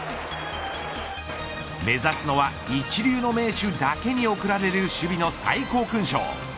目指すのは一流の名手だけに贈られる守備の最高勲章。